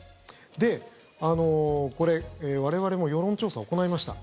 で、これ我々も世論調査を行いました。